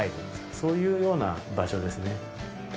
そういうような場所ですね。